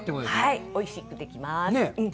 はい、おいしくできます。